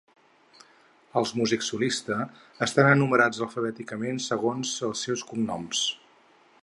Els músics solistes estan enumerats alfabèticament segons els seus cognoms.